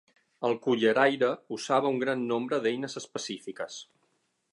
El culleraire usava un gran nombre d'eines específiques.